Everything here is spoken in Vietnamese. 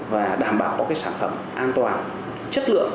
và đảm bảo có cái sản phẩm an toàn chất lượng